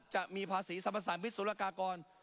จะมีภาษีสรรพสารวิสุรกากร